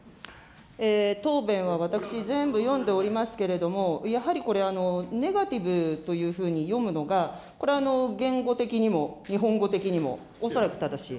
答弁は私全部読んでおりますけれども、やはりこれ、ネガティブというふうに読むのが、これは言語的にも日本語的にも恐らく正しい。